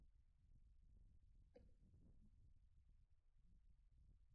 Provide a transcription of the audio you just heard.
Beste kezketako batzuk sortu zituzten ezezkoaren aldeko kanpaina egin zutenek.